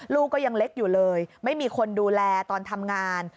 ลูกก็ยังเล็กอยู่เลยไม่มีคนดูแลตอนทำงาน